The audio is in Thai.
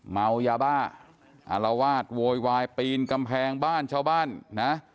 เมายาบ้าอารวาสโวยวายปีนกำแพงบ้านชาวบ้านนะ